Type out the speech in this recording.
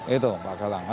itu pak galang